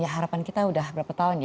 harapan kita sudah berapa tahun ya